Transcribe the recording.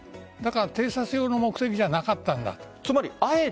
偵察用の目的じゃなかったんだ。